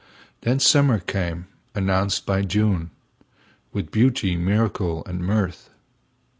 Then summer came, announced by June, With beauty, miracle and mirth.